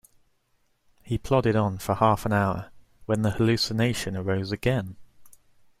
He plodded on for half an hour, when the hallucination arose again.